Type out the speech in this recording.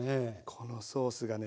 このソースがね